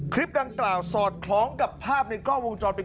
คลิปดังกล่าวสอดคล้องกับภาพในกล้องวงจรปิด